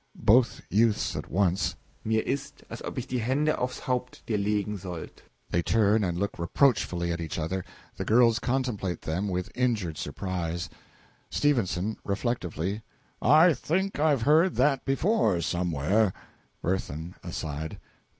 BOTH YOUTHS AT ONCE. Mir ist als ob ich die HandeAufs Haupt Dir legen sollt' (They turn and look reproachfully at each other the girls contemplate them with injured surprise.) S. (Reflectively.) I think I've heard that before somewhere. WIRTHIN. (Aside.)